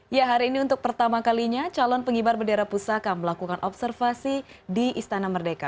ya hari ini untuk pertama kalinya calon pengibar bendera pusaka melakukan observasi di istana merdeka